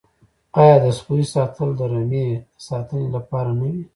آیا د سپیو ساتل د رمې د ساتنې لپاره نه وي؟